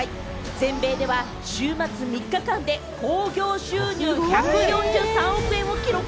全米では週末３日間で興行収入１４３億円を記録！